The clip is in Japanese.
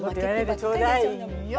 ちょうだいよ。